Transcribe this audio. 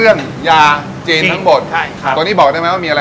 ถือว่าเป็นความลับเลยล่ะ